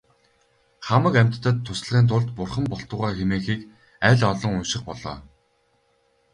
Хамаг амьтдад туслахын тулд бурхан болтугай хэмээхийг аль олон унших болой.